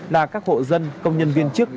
là các hộ dân công nhân viên chức